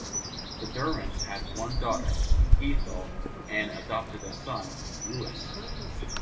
The Durants had one daughter, Ethel, and adopted a son, Louis.